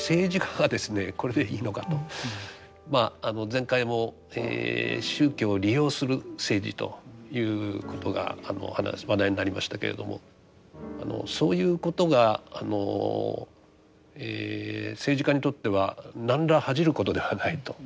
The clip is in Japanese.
まあ前回も宗教を利用する政治ということが話題になりましたけれどもそういうことが政治家にとっては何ら恥じることではないと。